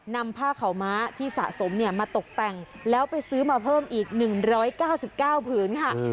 นำผ้าขาวม้าที่สะสมมาตกแต่งแล้วไปซื้อมาเพิ่มอีก๑๙๙ผืนค่ะ